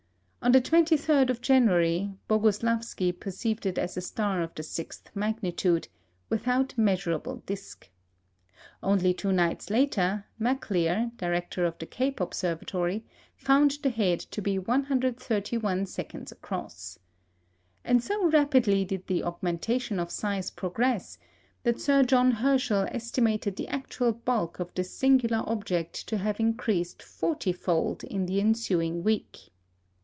On the 23rd of January, Boguslawski perceived it as a star of the sixth magnitude, without measurable disc. Only two nights later, Maclear, director of the Cape Observatory, found the head to be 131 seconds across. And so rapidly did the augmentation of size progress, that Sir John Herschel estimated the actual bulk of this singular object to have increased forty fold in the ensuing week.